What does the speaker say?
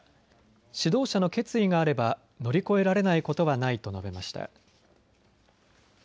指導者の決意があれば乗り越えられないことはないと述べました。